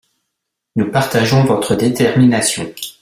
Nous partageons votre détermination.